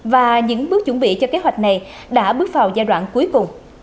và những bước chuẩn bị cho kế hoạch này đã bước vào giai đoạn cuối cùng